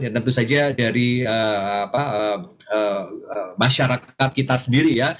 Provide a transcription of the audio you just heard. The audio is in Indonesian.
tentu saja dari masyarakat kita sendiri ya